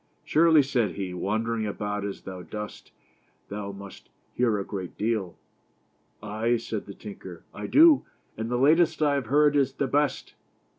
" Surely" said he, " wandering about as thou dost, thou must hear a great deal." "Ay," said the tinker, "I do, and the latest I have heard is the best."